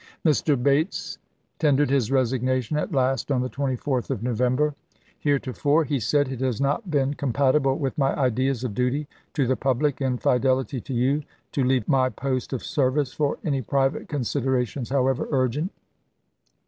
Mr. Bates tendered his resignation at last on the 24th of November. 1864. 34G ABBAHAM LINCOLN chap. xv. " Heretofore," lie said, " it has not been compat ible with my ideas of duty to the public and fidel ity to you to leave my post of service for any private considerations, however urgent.